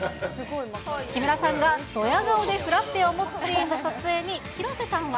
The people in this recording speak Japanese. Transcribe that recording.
木村さんがドヤ顔でフラッペを持つシーンの撮影に、広瀬さんは。